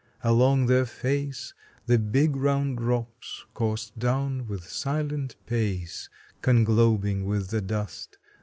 Along their face The big round drops coursed down with silent pace, Conglobing with the dust.